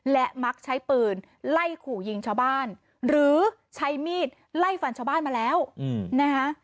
และมักใช้ปืนไล่ขู่ยิงชาวบ้านหรือใช้มีดไล่ฟันชาวบ้านมาแล้วนะคะ